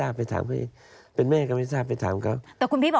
แบ่งแม่ไม่ทราบ